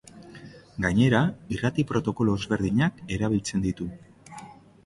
Gainera, irrati protokolo ezberdinak erabiltzen ditu.